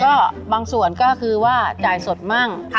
ก็บางส่วนก็คือว่าจ่ายสดมั่ง